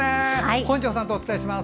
本庄さんとお伝えします。